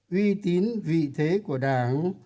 tuy tín vị thế của đảng